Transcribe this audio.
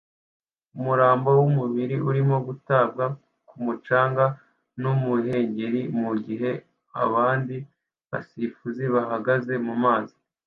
umurambo wumubiri urimo gutabwa ku mucanga numuhengeri mugihe abandi basifuzi bahagaze mumazi